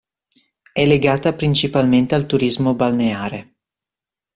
È legata principalmente al turismo balneare.